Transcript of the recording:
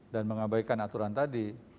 dan mengabaikan aturan tadi